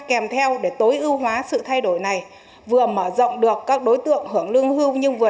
kèm theo để tối ưu hóa sự thay đổi này vừa mở rộng được các đối tượng hưởng lương hưu nhưng vừa